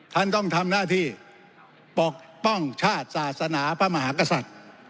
ท่านต้องทำหน้าที่ปกป้องชาติศาสนาพระมหากษัตริย์